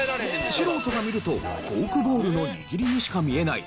素人が見るとフォークボールの握りにしか見えない